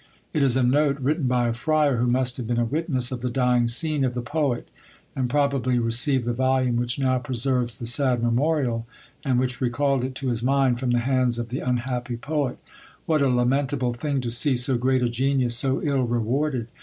It is a note, written by a friar who must have been a witness of the dying scene of the poet, and probably received the volume which now preserves the sad memorial, and which recalled it to his mind, from the hands of the unhappy poet: "What a lamentable thing to see so great a genius so ill rewarded!